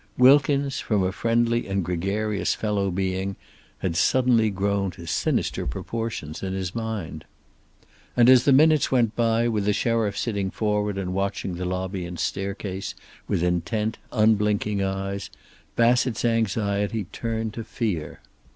Wilkins, from a friendly and gregarious fellow being, had suddenly grown to sinister proportions in his mind. And, as the minutes went by, with the sheriff sitting forward and watching the lobby and staircase with intent, unblinking eyes, Bassett's anxiety turned to fear.